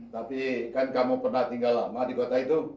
tapi kan kamu pernah tinggal lama di kota itu